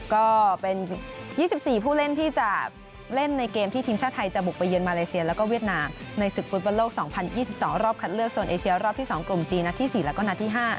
ก็เป็น๒๔ผู้เล่นที่จะเล่นในเกมที่ทีมชาติไทยจะบุกไปเยือนมาเลเซียแล้วก็เวียดนามในศึกฟุตบอลโลก๒๐๒๒รอบคัดเลือกโซนเอเชียรอบที่๒กลุ่มจีนนัดที่๔แล้วก็นัดที่๕